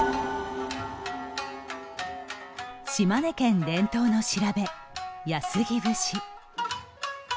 島根県伝統の調べ、安来節。